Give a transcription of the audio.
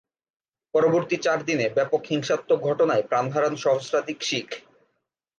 পরবর্তী চার দিনে ব্যাপক হিংসাত্মক ঘটনায় প্রাণ হারান সহস্রাধিক শিখ।